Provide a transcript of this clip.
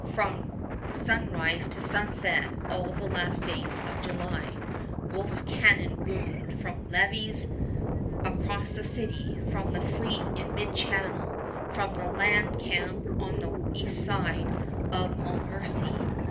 From sunrise to sunset all the last days of July, Wolfe's cannon boomed from Lévis across the city, from the fleet in mid channel, from the land camp on the east side of Montmorency.